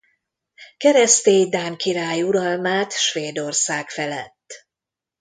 Keresztély dán király uralmát Svédország felett.